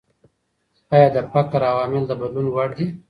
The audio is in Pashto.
ايا د فقر عوامل د بدلون وړ دي؟